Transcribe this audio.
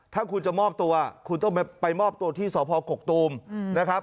ถ้าคุณจะมอบตัวคุณต้องไปมอบตัวที่สพกกตูมนะครับ